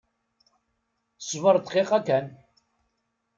Sbeṛ dqiqa kan!